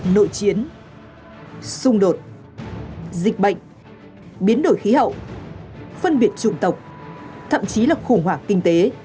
nội chiến xung đột dịch bệnh biến đổi khí hậu phân biệt chủng tộc thậm chí là khủng hoảng kinh tế